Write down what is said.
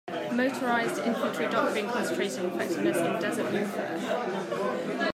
Motorized infantry doctrine concentrated on effectiveness in desert warfare.